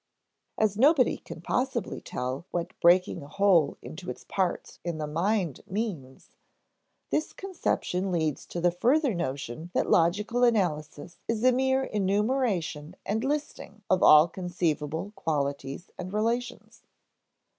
As nobody can possibly tell what breaking a whole into its parts in the mind means, this conception leads to the further notion that logical analysis is a mere enumeration and listing of all conceivable qualities and relations.